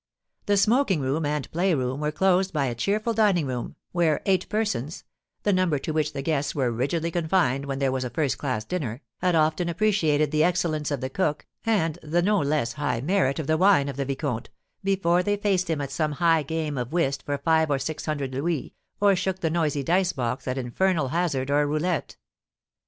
The smoking room and play room were closed by a cheerful dining room, where eight persons (the number to which the guests were rigidly confined when there was a first class dinner) had often appreciated the excellence of the cook, and the no less high merit of the wine of the vicomte, before they faced him at some high game of whist for five or six hundred louis, or shook the noisy dice box at infernal hazard or roulette.